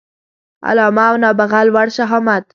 علامه او نابغه لوړ شهامت